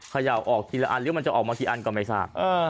เขย่าออกทีละอันหรือมันจะออกมากี่อันก็ไม่ทราบ